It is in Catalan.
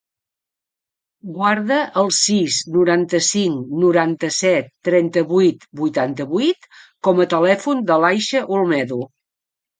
Guarda el sis, noranta-cinc, noranta-set, trenta-vuit, vuitanta-vuit com a telèfon de l'Aisha Olmedo.